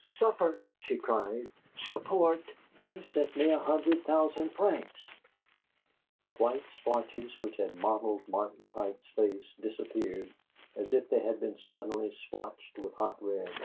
"'Suffer'!" she cried. "'Support'! You sent me a hundred thousand francs!" The white splotches which had mottled Martin Pike's face disappeared as if they had been suddenly splashed with hot red.